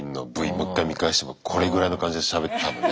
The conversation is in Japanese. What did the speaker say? もう１回見返してもこれぐらいの感じでしゃべってる多分ね。